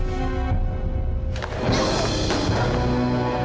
aku harus bisa lepas dari sini sebelum orang itu datang